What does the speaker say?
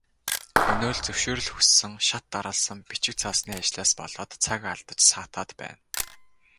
Өнөө л зөвшөөрөл хүссэн шат дараалсан бичиг цаасны ажлаас болоод цаг алдаж саатаад байна.